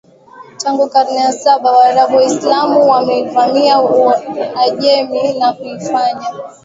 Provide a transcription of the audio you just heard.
Tangu karne ya saba Waarabu Waislamu walivamia Uajemi na kuifanya